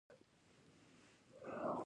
د هنر په برخه کي ځوانان نوښتونه کوي.